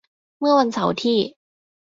เมื่อวันเสาร์ที่